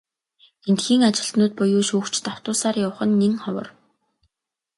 Эндэхийн ажилтнууд буюу шүүгчид автобусаар явах нь нэн ховор.